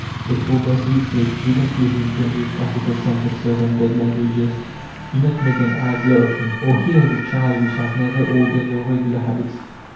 But for mercy's sake do not fill his brain with classical sentences and dead languages. Do not make an idler of him!... Or, here is a child which has neither order nor regular habits.